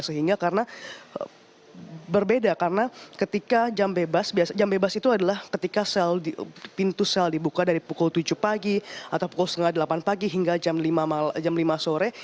sehingga karena berbeda karena ketika jam bebas jam bebas itu adalah ketika sel pintu sel dibuka dari pukul tujuh pagi atau pukul setengah delapan pagi hingga jam lima sore